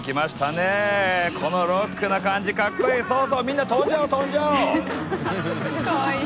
このロックな感じかっこいい。